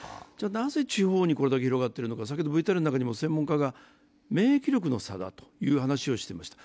なぜ地方にこれだけ広がっているのか、先ほどのＶＴＲの中でも専門家が免疫力の差だという話をしていました。